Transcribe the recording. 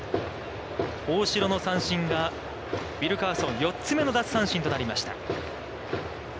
大城の三振がウィルカーソン４つ目の奪三振となりました。